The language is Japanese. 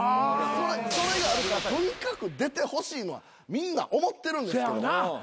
それがあるからとにかく出てほしいのはみんな思ってるんですけど。